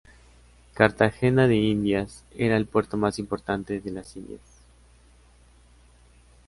Cartagena de Indias era el puerto más importante de Las Indias.